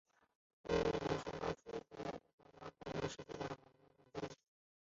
于南斯拉夫王国时期改用王国的国徽。